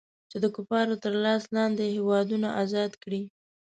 چې د کفارو تر لاس لاندې هېوادونه ازاد کړي.